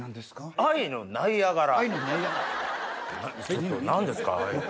愛のナイアガラ。